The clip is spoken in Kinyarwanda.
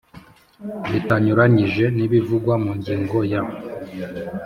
Bitanyuranyije n ibivugwa mu ngingo ya